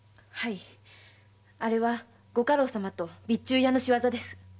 はいあれはご家老様と備中屋の仕業です。